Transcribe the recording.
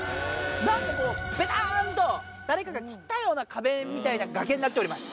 なんかこう、べたーんと、誰かが切ったような壁みたいな崖になっております。